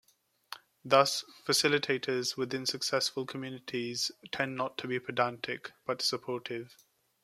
Thus, facilitators within successful communities tend not to be pedantic, but supportive.